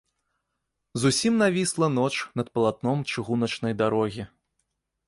Зусім навісла ноч над палатном чыгуначнай дарогі.